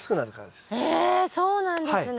えそうなんですね。